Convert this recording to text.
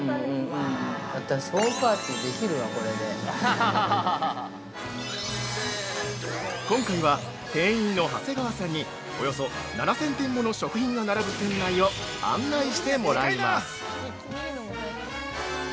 ◆今回は店員の長谷川さんにおよそ７０００点もの食品が並ぶ店内を案内してもらいます。